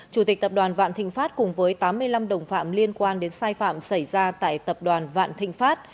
chủ tịch tập đoàn vạn thịnh pháp cùng với tám mươi năm đồng phạm liên quan đến sai phạm xảy ra tại tập đoàn vạn thịnh pháp